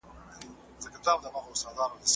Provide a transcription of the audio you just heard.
ډاکتر عبدالروف رفیقي هم په لمانځغونډه کي ګډون درلود.